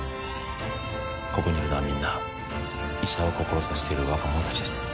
ここにいるのはみんな医者を志している若者達です